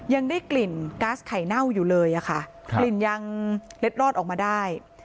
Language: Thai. ยังได้กลิ่นก๊าซไข่เน่าอยู่เลยอะค่ะกลิ่นยังเล็ดรอดออกมาได้